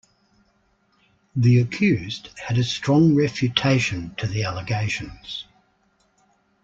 The accused had a strong refutation to the allegations.